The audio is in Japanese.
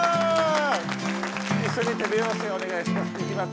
一緒に手拍子お願いします！